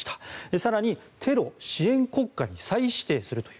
更に、テロ支援国家に再指定するという。